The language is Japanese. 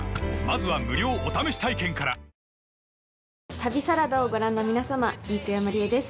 旅サラダをご覧の皆さま、飯豊まりえです。